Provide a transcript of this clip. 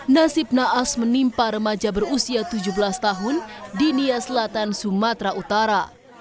nasib naas menimpa remaja berusia tujuh belas tahun di nia selatan sumatera utara